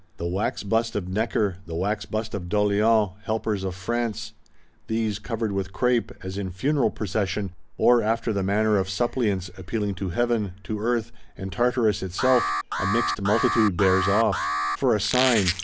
The Wax bust of Necker, the Wax bust of D'Orléans, helpers of France: these, covered with crape, as in funeral procession, or after the manner of suppliants appealing to Heaven, to Earth, and Tartarus itself, a mixed multitude bears off. For a sign!